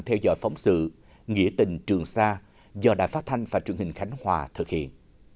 theo dõi phóng sự nghĩa tình trường sa do đài phát thanh và truyền hình khánh hòa thực hiện